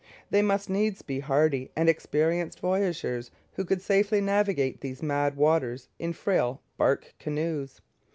They must needs be hardy and experienced voyageurs who could safely navigate these mad waters in frail bark canoes.